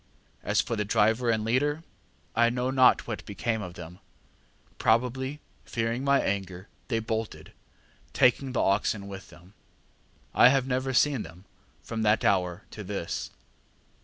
As for the driver and leader, I know not what became of them: probably fearing my anger, they bolted, taking the oxen with them. I have never seen them from that hour to this.